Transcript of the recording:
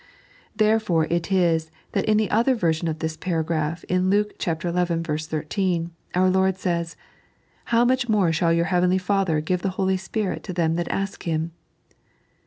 Therefore it is that in the other version of this paragraph, in Luke xL 13, our Lord says :" How much more shall your heavenly Father give the Holy Spirit to them that ask Him